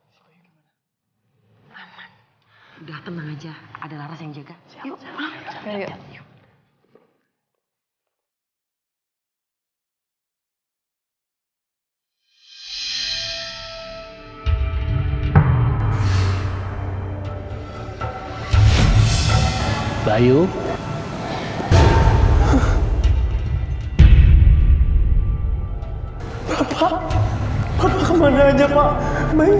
oke ibu yang indah deh biar nggak ngobrol terus ya ya udah selamat tidur yuk ya udah selamat tidur ya udah selamat tidur yuk